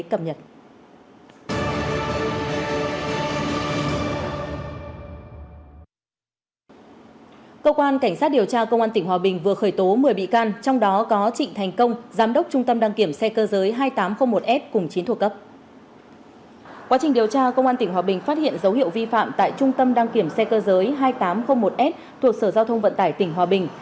quá trình điều tra công an tỉnh hòa bình phát hiện dấu hiệu vi phạm tại trung tâm đăng kiểm xe cơ giới hai nghìn tám trăm linh một s thuộc sở giao thông vận tải tỉnh hòa bình